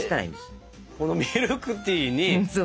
このミルクティーに。